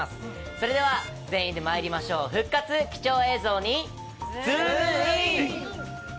それでは全員でまいりましょう、復活貴重映像にズームイン！！